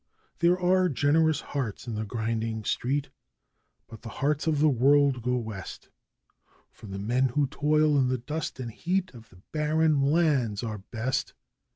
'There are generous hearts in the grinding street, but the Hearts of the World go west; For the men who toil in the dust and heat of the barren lands are best!